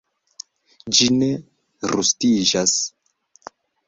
Ĝi ne rustiĝas.